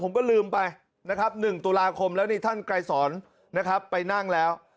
ผมก็ลืมไปนะครับ๑ตุลาคมแล้วนี่ท่านไกรสอนนะครับไปนั่งแล้ว